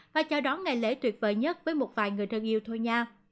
và chào đón ngày lễ tuyệt vời nhất với một vài người thân yêu thôi nha